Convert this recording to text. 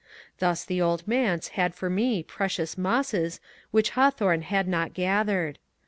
Thus the Old Manse had for me precious '^ mosses " which Hawthorne had not gathered.